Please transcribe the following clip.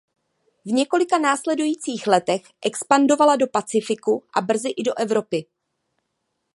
V několika následujících letech expandovala do Pacifiku a brzy i do Evropy.